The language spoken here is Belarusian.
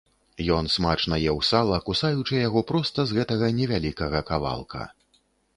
Ён смачна еў сала, кусаючы яго проста з гэтага невялікага кавалка.